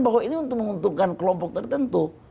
bahwa ini untuk menguntungkan kelompok tertentu